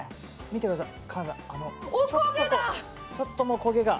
見てください！